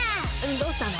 どうしたの？